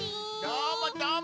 どーもどーも！